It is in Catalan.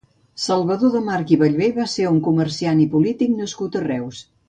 Salvador de March i Bellver va ser un comerciant i polític nascut a Reus.